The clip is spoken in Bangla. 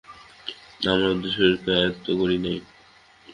আমরা আমাদের শরীরকে আয়ত্ত করি নাই।